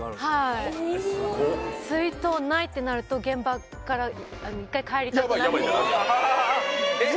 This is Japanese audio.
へえすごっ水筒ないってなると現場から１回帰りたくなってえっ